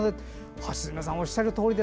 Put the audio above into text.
橋詰さん、おっしゃるとおり！